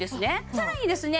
さらにですね